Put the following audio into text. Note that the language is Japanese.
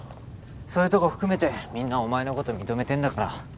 そういうとこ含めてみんなお前のこと認めてんだから。